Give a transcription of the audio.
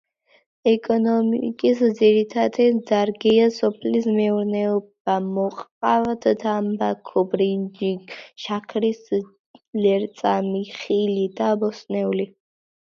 ეკონომიკის ძირითადი დარგია სოფლის მეურნეობა, მოყავთ თამბაქო, ბრინჯი, შაქრის ლერწამი, ხილი და ბოსტნეული.